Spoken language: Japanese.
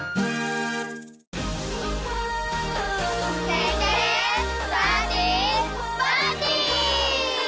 天てれサーティースパーティー！